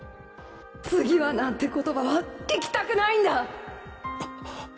次はなんて言葉は聞きたくないんだ！